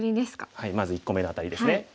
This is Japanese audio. はいまず１個目のアタリですね。